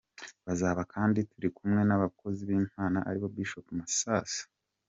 Bazaba kandi turikumwe n’abakozi b’Imana aribo; Bishop Masasu M.